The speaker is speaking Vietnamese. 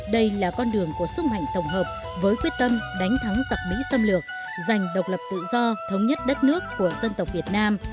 đây là con đường của sức mạnh tổng hợp với quyết tâm đánh thắng giặc mỹ xâm lược giành độc lập tự do thống nhất đất nước của dân tộc việt nam